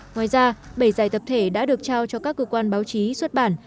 ngoài ra bảy giải tập thể đã được trao cho các cơ quan báo chí xuất bản